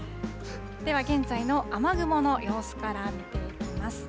では現在の雨雲の様子から見ていきます。